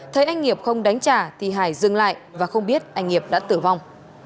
thấy anh nghiệp không đánh trả thì hải dừng lại và không biết anh nghiệp đã tử vong